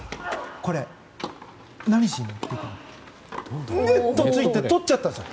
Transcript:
これネットについて取っちゃったんですよ。